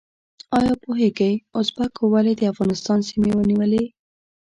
ایا پوهیږئ ازبکو ولې د افغانستان سیمې ونیولې؟